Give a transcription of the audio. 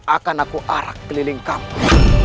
akan aku arah keliling kamu